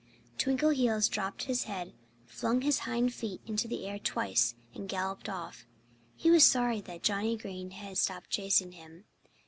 Twinkleheels dropped his head, flung his hind feet into the air twice, and galloped off. He was sorry that Johnnie Green had stopped chasing him.